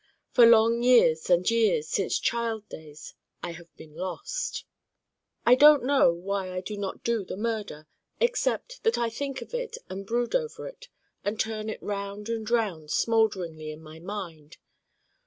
For long years and years, since child days, I have been lost. I don't know why I do not do the Murder: except that I think of it and brood over it and turn it round and round smoulderingly in my Mind.